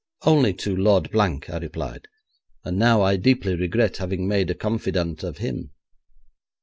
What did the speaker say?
'Only to Lord Blank,' I replied; 'and now I deeply regret having made a confidant of him.'